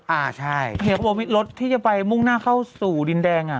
อ่าใช่เห็นไหมรถที่จะไปมุ่งหน้าเข้าสู่ดินแดง